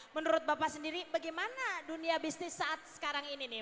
menurut bapak sendiri bagaimana dunia bisnis saat sekarang ini nih